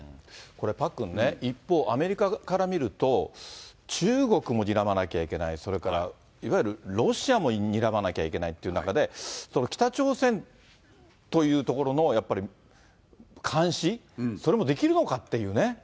これ、パックンね、一方、アメリカから見ると、中国もにらまなきゃいけない、それからいわゆるロシアもにらまなきゃいけないって中で、北朝鮮という所のやっぱり監視、そうなんですね。